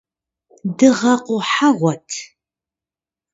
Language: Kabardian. Дыгъэ къухьэгъуэт…